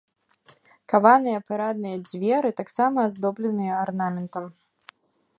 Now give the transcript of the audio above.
Каваныя парадныя дзверы таксама аздобленыя арнаментам.